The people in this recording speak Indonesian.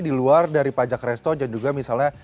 di luar dari pajak resto dan juga misalnya